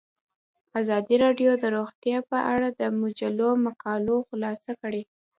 ازادي راډیو د روغتیا په اړه د مجلو مقالو خلاصه کړې.